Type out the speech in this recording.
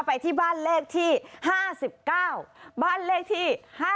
ไปที่บ้านเลขที่๕๙บ้านเลขที่๕๗